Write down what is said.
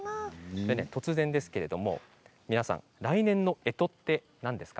突然ですけれども、皆さん来年のえとは何ですか？